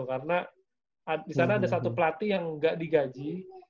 karena di sana ada satu pelatih yang gak digaji